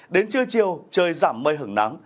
đến trưa chiều trời giảm mây hứng nắng